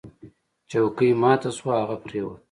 چوکۍ ماته شوه او هغه پریوت.